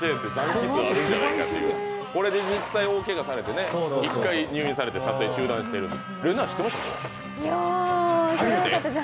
これで実際大けがされて、入院されて撮影中断しているんです。